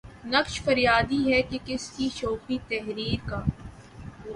نقش فریادی ہے کس کی شوخیٴ تحریر کا؟